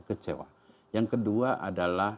kecewa yang kedua adalah